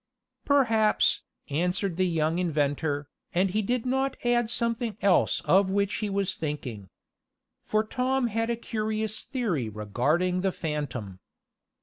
"Perhaps," answered the young inventor, and he did not add something else of which he was thinking. For Tom had a curious theory regarding the phantom.